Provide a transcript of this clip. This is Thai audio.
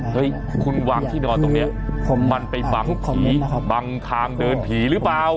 เฮ้ยคุณวางที่นอนตรงนี้มันไปฝังผีบังทางเดินผีหรือเปล่า